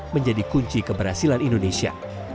menjadi kunci keberhasilan indonesia